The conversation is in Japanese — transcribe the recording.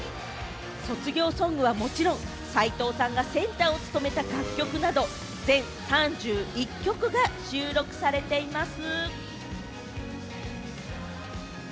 卒業ソングはもちろん、齋藤さんがセンターを務めた楽曲など、全３１曲が収録されています。